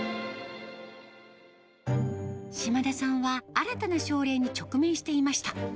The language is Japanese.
島田さんは新たな症例に直面していました。